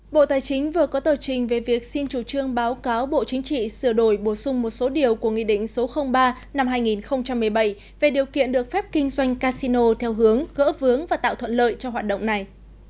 bộ tài chính vừa có tờ trình về việc xin chủ trương báo cáo bộ chính trị sửa đổi bổ sung một số điều của nghị định số ba năm hai nghìn một mươi bảy về điều kiện được phép kinh doanh casino theo hướng gỡ vướng và tạo thuận lợi cho hoạt động này